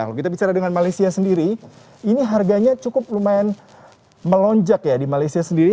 kalau kita bicara dengan malaysia sendiri ini harganya cukup lumayan melonjak ya di malaysia sendiri